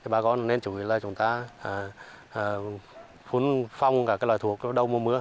bà con nên chủ yếu là chúng ta phun phong cả loài thuộc đâu mùa mưa